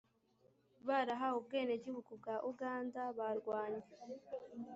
barahawe ubwenegihugu bwa uganda barwanye